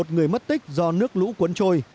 một mươi một người mất tích do nước lũ cuốn trôi